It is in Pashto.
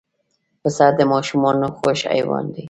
پسه د ماشومانو خوښ حیوان دی.